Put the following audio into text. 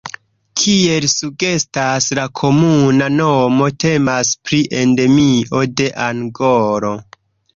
Kiel sugestas la komuna nomo, temas pri Endemio de Angolo.